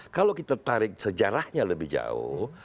kalau kita tarik sejarahnya lebih jauh